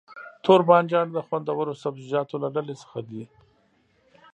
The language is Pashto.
توربانجان د خوندورو سبزيجاتو له ډلې څخه دی.